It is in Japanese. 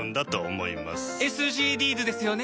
ＳＧＤｓですよね。